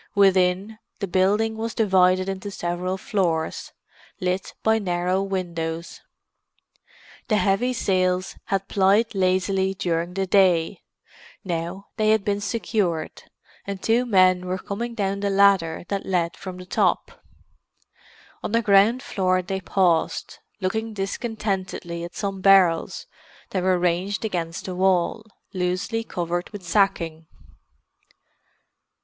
Within, the building was divided into several floors, lit by narrow windows. The heavy sails had plied lazily during the day; now they had been secured, and two men were coming down the ladder that led from the top. On the ground floor they paused, looking discontentedly at some barrels that were ranged against the wall, loosely covered with sacking.